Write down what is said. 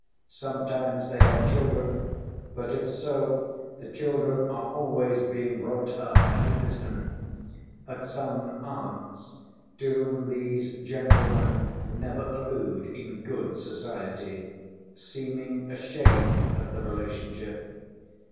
Sometimes they have children, but if so, the children are always being brought up at a distance, at some aunt's, to whom these gentlemen never allude in good society, seeming ashamed of the relationship.